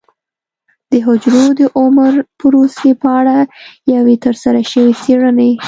د حجرو د عمر پروسې په اړه یوې ترسره شوې څېړنې